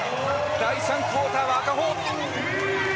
第３クオーターは赤穂。